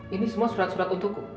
ini semua surat surat untukku